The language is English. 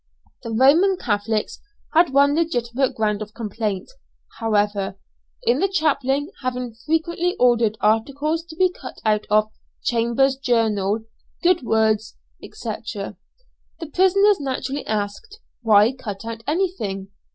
The Roman Catholics had one legitimate ground of complaint, however, in the chaplain having frequently ordered articles to be cut out of "Chambers's Journal," "Good Words," &c. The prisoners naturally asked "Why cut out anything?